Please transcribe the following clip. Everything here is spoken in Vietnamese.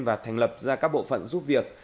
và thành lập ra các bộ phận giúp việc